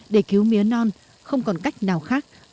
để cứu mía non không còn cách nào khác